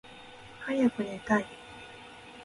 はやくねたい